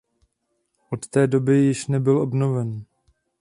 Od té doby již nebyl obnoven.